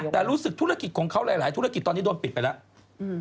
แต่รู้สึกธุรกิจของเขาหลายธุรกิจตอนนี้โดนปิดไปแล้ว